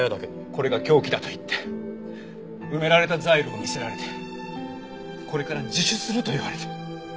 これが凶器だと言って埋められたザイルを見せられてこれから自首すると言われて。